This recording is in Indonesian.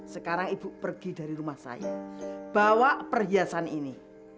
sekarang ibu pergi dari rumah saya bawa perhiasan ini